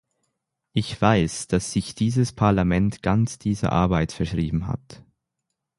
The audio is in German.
Ich weiß, dass sich dieses Parlament ganz dieser Arbeit verschrieben hat.